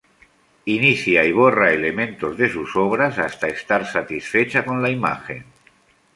Inicia y borra elementos de sus obras hasta estar satisfecha con la imagen.